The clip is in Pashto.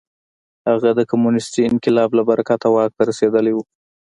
هغه د کمونېستي انقلاب له برکته واک ته رسېدلی و.